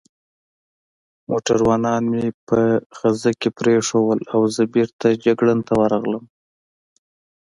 موټروانان مې په خزه کې پرېښوول او زه بېرته جګړن ته ورغلم.